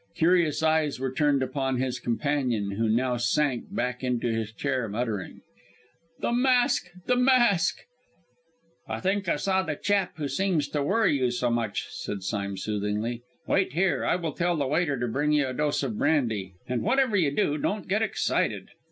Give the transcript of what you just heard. Curious eyes were turned upon, his companion, who now sank back into his chair, muttering: "The Mask, the Mask!" "I think I saw the chap who seems to worry you so much," said Sime soothingly. "Wait here; I will tell the waiter to bring you a dose of brandy; and whatever you do, don't get excited."